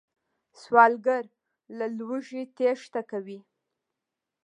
سوالګر له لوږې تېښته کوي